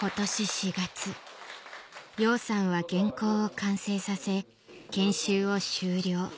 今年４月洋さんは原稿を完成させ研修を終了